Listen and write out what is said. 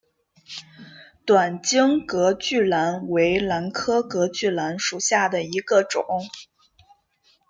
短茎隔距兰为兰科隔距兰属下的一个种。